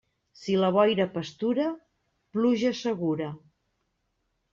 Si la boira pastura, pluja segura.